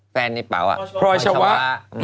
แฟนไอ้เป๋าพรอยชาวะ